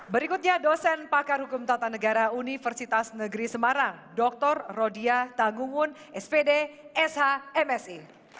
berikutnya dosen pakar hukum tata negara universitas negeri semarang dr rodia tangungun spd shmsi